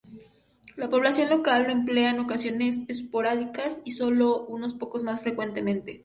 La población local lo emplea en ocasiones esporádicas y solo unos pocos más frecuentemente.